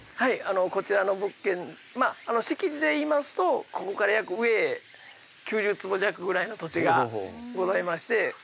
こちらの物件敷地でいいますとここから上へ９０坪弱ぐらいの土地がございまして。